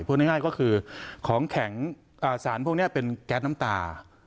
พูดง่ายก็คือสารพวกนี้เนี่ยเป็นแก๊สน้ำตา